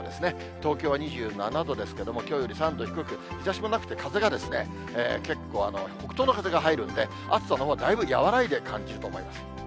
東京は２７度ですけども、きょうより３度低く、日ざしもなくて、風が結構、北東の風が入るんで、暑さのほうはだいぶ和らいで感じると思います。